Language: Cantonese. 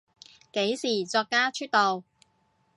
幾時作家出道？